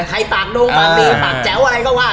ให้ตากหนูไม่ดี